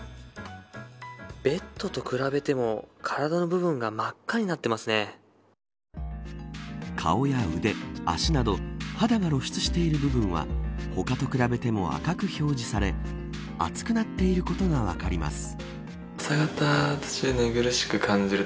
ベッドと比べても体の部分が顔や腕、足など肌が露出している部分は他と比べても赤く表示され暑くなっていることが分かります。